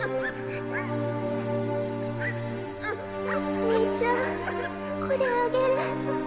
お兄ちゃんコレあげる。